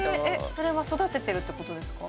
◆それは育ててるってことですか。